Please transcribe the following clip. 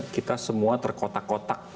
kita semua terkotak kotak